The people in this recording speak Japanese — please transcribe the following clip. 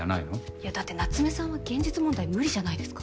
いやだって夏目さんは現実問題無理じゃないですか。